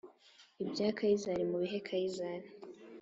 Ibya Kayizari mubihe Kayizari